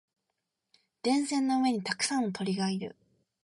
電線の上にたくさんの鳥がいる。